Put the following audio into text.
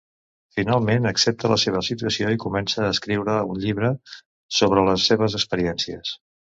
Finalment, accepta la seva situació i comença a escriure un llibre sobre les seves experiències.